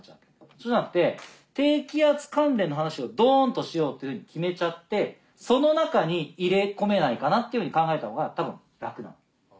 そうじゃなくて低気圧関連の話をドンとしようっていうふうに決めちゃってその中に入れ込めないかな？っていうふうに考えたほうが多分楽なの。